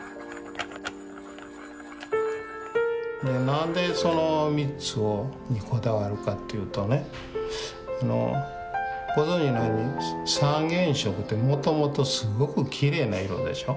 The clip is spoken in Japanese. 何でその３つにこだわるかっていうとねあのご存じのように三原色ってもともとすごくきれいな色でしょ？